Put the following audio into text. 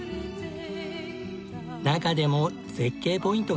中でも絶景ポイントが。